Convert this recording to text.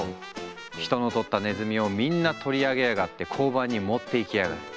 「人の捕った鼠を皆んな取り上げやがって交番に持って行きあがる。